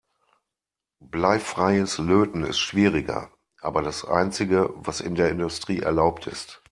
Bleifreies Löten ist schwieriger, aber das einzige, was in der Industrie erlaubt ist.